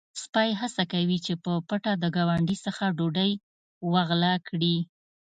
سپی هڅه کوي چې په پټه د ګاونډي څخه ډوډۍ وغلا کړي.